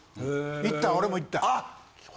行った俺も行った。